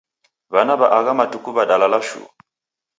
W'ana w'a agha matuku w'adalala shuu.